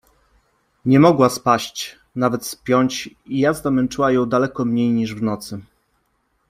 Nie mogła spaść, nawet spiąć, i jazda męczyła ją daleko mniej niż w nocy.